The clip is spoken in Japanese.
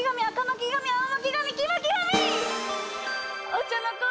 お茶の子